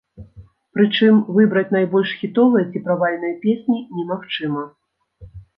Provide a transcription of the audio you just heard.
Прычым, выбраць найбольш хітовыя ці правальныя песні немагчыма.